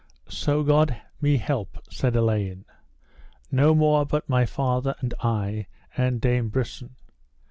So God me help, said Elaine, no more but my father, and I, and Dame Brisen.